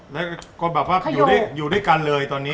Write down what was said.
แล้วก็แบบว่าอยู่ด้วยกันเลยตอนนี้